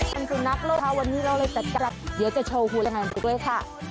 เป็นสุดนักโลกค่ะวันนี้เล่าเลยแต่กลับเดี๋ยวจะโชว์หัวแรงงานกันด้วยค่ะ